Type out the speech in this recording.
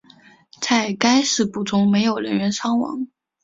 在该事故中没有人员伤亡。